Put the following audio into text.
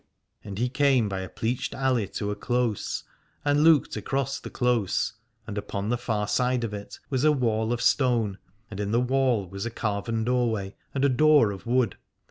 And he came by a pleached alley to a close, and looked across the close : and upon the far side of it was a wall of stone, and in the wall was a carven doorway, and a door of wood.